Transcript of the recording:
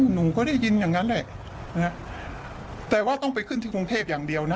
หนูก็ได้ยินอย่างนั้นแหละแต่ว่าต้องไปขึ้นที่กรุงเทพอย่างเดียวนะ